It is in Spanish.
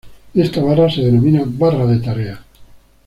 Esta barra se denomina "barra de tareas".